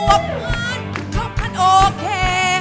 อวกมันครอบครันโอเค